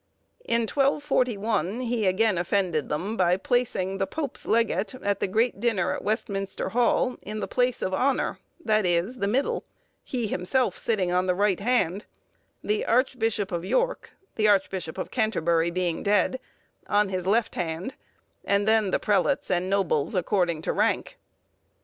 In 1241, he again offended them by placing the Pope's legate, at the great dinner at Westminster Hall, in the place of honour, that is, the middle, he himself sitting on the right hand, the Archbishop of York (the Archbishop of Canterbury being dead) on his left hand, and then the prelates and nobles, according to rank.